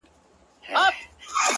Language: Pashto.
په يويشتم قرن کي داسې محبت کومه!